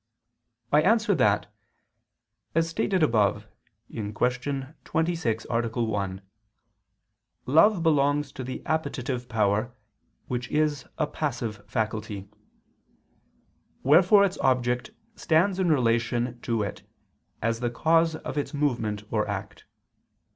I answer that, As stated above (Q. 26, A. 1), Love belongs to the appetitive power which is a passive faculty. Wherefore its object stands in relation to it as the cause of its movement or act.